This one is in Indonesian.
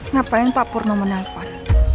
ngapain pak purnomo menelpon